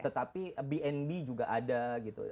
tetapi bnb juga ada gitu